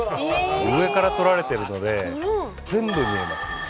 上から撮られてるので全部見えますね。